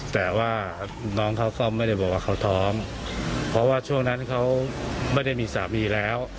แต่ว่าน้องเขาก็ไม่ได้บอกว่าเขาท้องเพราะว่าช่วงนั้นเขาไม่ได้มีสามีแล้ว